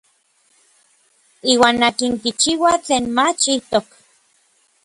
Iuan akin kichiua tlen mach ijtok.